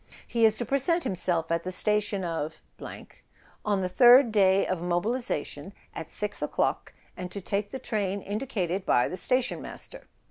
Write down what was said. "He is to present himself at the station of on the third day of mobilisation at 6 o'clock, and to take the train indicated by the station master.